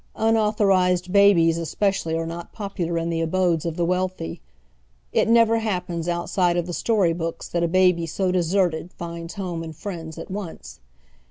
Unauthorized babies especially are not popular in the abodes of the wealthj\ It never happens outside of the story books that a baby so deserted finds home and friends at once.